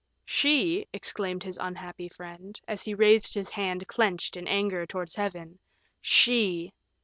"She," exclaimed his unhappy friend, as he raised his hand clenched in anger, towards Heaven. "She!